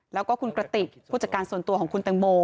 แล้วก็คุณกระติกผู้จัดการส่วนตัวของคุณแตงโม